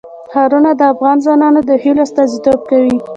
ښارونه د افغان ځوانانو د هیلو استازیتوب کوي.